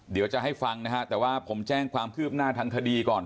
เดี๋ยวจะให้ฟังนะฮะแต่ว่าผมแจ้งความคืบหน้าทางคดีก่อน